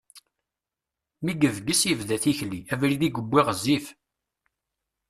Mi yebges yebda tikli, abrid i yewwi ɣezzif.